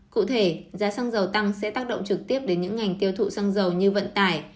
cụ thể giá xăng dầu tăng sẽ tác động trực tiếp đến những ngành tiêu thụ xăng dầu như vận tải